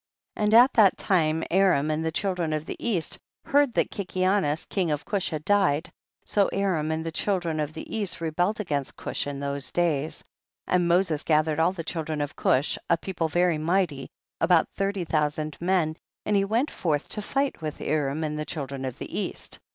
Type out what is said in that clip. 39. And at that time Aram and the children of the east heard that Kiki anus king of Cush had died, so Aram and the children of the east rebelled against Cush in those days. 40. And Moses gathered all the children of Cush, a people very mighty, about thirty thousand men, and he went forth to fight with Aram and the children of the east.